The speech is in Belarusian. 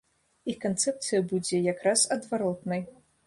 Іх канцэпцыя будзе як раз адваротнай.